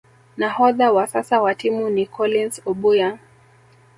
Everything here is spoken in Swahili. Nahodha wa sasa wa timu ni Collins Obuya